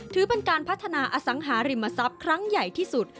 ถือเป็นการพัฒนาอสังหาริมทรัพย์ครั้งใหญ่ที่สุด